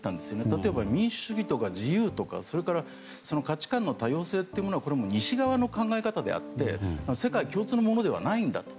例えば民主主義とか自由とか価値観の多様性は西側の考え方であって世界共通のものではないんだと。